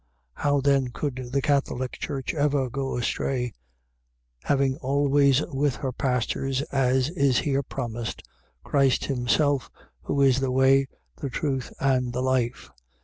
How then could the Catholic Church ever go astray; having always with her pastors, as is here promised, Christ himself, who is the way, the truth, and the life.